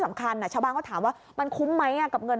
สำคัญชาวบ้านก็ถามว่ามันคุ้มไหมกับเงิน